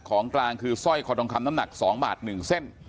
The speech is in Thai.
ของกลางคือสร้อยคอทองคำน้ำหนัก๒บาท๑เส้น